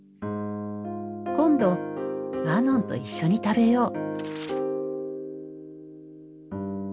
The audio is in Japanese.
今度マノンと一緒に食べよう。